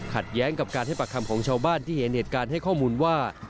แย้งกับการให้ปากคำของชาวบ้านที่เห็นเหตุการณ์ให้ข้อมูลว่า